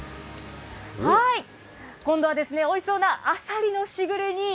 今度はおいしそうなあさりのしぐれに。